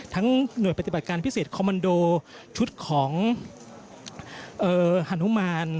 หน่วยปฏิบัติการพิเศษคอมมันโดชุดของฮานุมาน